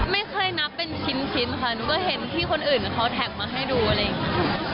ไม่เคยนับเป็นชิ้นค่ะหนูก็เห็นที่คนอื่นเขาแท็กมาให้ดูอะไรอย่างนี้